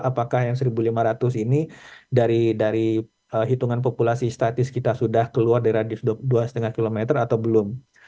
apakah yang satu lima ratus ini dari hitungan populasi statis kita sudah keluar dari radius dua lima km atau belum